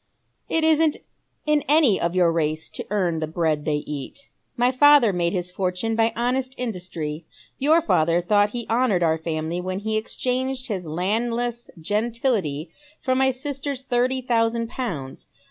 "It isn't in any of your race to earn the bread tliey eat. My father made his fortune by honest industry, your father thought he honoured our family when he exchanged his landless gentility for my sister's thirty thousand pounds.